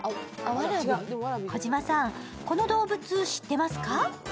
児嶋さん、この動物知ってますか？